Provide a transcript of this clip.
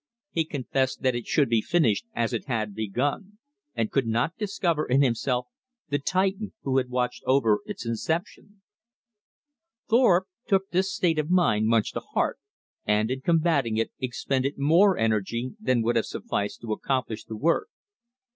He confessed that it should be finished as it had begun, and could not discover in himself the Titan who had watched over its inception. Thorpe took this state of mind much to heart, and in combating it expended more energy than would have sufficed to accomplish the work.